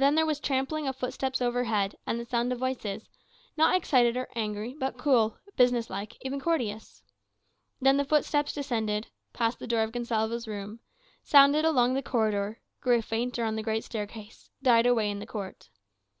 Then there was trampling of footsteps overhead, and the sound of voices, not excited or angry, but cool, business like, even courteous. Then the footsteps descended, passed the door of Gonsalvo's room, sounded along the corridor, grew fainter on the great staircase, died away in the court.